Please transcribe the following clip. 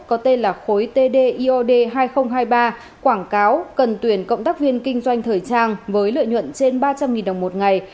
có tên là khối tdiod hai nghìn hai mươi ba quảng cáo cần tuyển cộng tác viên kinh doanh thời trang với lợi nhuận trên ba trăm linh đồng một ngày